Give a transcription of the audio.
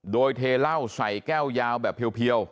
โดยเทเหล้าใส่แก้วยาวแบบเพียว